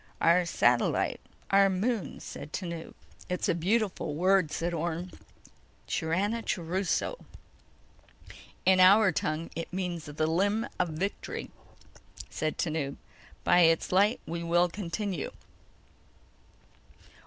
"Our satellite ... our moon," said Tanub. "It's a beautiful word," said Orne. "Chiranachuruso." "In our tongue it means: The Limb of Victory," said Tanub. "By its light we will continue."